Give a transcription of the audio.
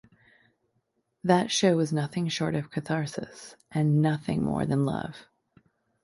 That show was nothing short of catharsis and nothing more than love.